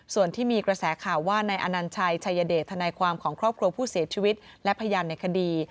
ส่วนที่มีกระแสข่าวว่านายอนัญชัยชัยเดชทนายความของครอบครัวผู้เสียชีวิตและพยานในคดี